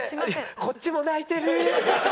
こっちも泣いてる！